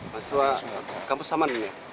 mahasiswa kampus saman ini ya